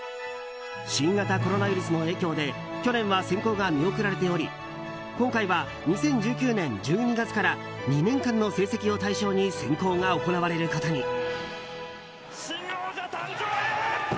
新型コロナウイルスの影響で去年は選考が見送られており今回は２０１９年１２月から２年間の成績を対象に選考が行われることに。